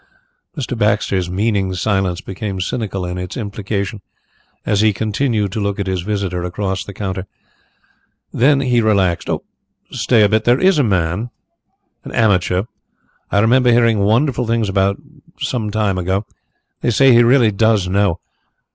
Mr. Baxter's meaning silence became cynical in its implication as he continued to look at his visitor across the counter. Then he relaxed. "Stay a bit; there is a man an amateur I remember hearing wonderful things about some time ago. They say he really does know."